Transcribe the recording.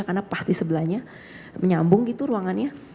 karena pasti sebelahnya menyambung gitu ruangannya